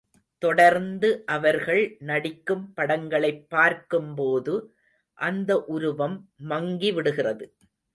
தொடர்ந்து அவர்கள் நடிக்கும் படங்களைப் பார்க்கும் போது அந்த உருவம் மங்கிவிடுகிறது.